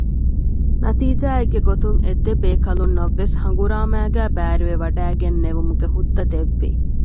ނަތީޖާއެއްގެ ގޮތުން އެދެބޭކަލުންނަށްވެސް ހަނގުރާމައިގައި ބައިވެރިވެވަޑައިގެންނެވުމުގެ ހުއްދަ ދެއްވި